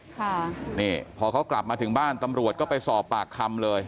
ค่ะนี่พอเขากลับมาถึงบ้านตำรวจก็ไปสอบปากคำเลย